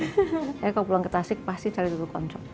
tapi kalau pulang ke tasik pasti cari tutuk oncom